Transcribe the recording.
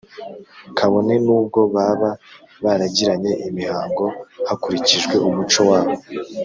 kabone n’ubwo baba baragiranye imihango hakurikijwe umuco wabo,